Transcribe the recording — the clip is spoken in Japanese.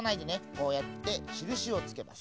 こうやってしるしをつけます。